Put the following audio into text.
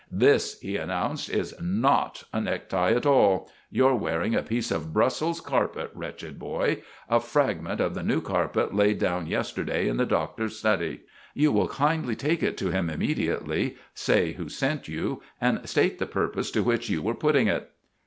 "This," he announced, "is not a necktie at all. You're wearing a piece of Brussels carpet, wretched boy a fragment of the new carpet laid down yesterday in the Doctor's study. You will kindly take it to him immediately, say who sent you, and state the purpose to which you were putting it."